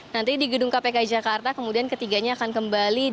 nanti di gedung kpk jakarta kemudian ketiganya akan kembali